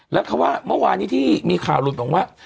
แล้วเมื่อวานี้ที่มีข่าวหลุดว่า